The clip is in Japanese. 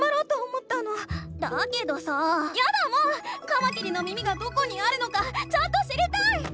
カマキリの耳がどこにあるのかちゃんと知りたい！